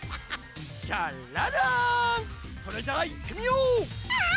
それじゃあいってみよう！